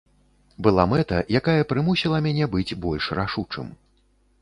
Была мэта, якая прымусіла мяне быць больш рашучым.